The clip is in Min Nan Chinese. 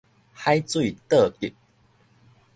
海水倒激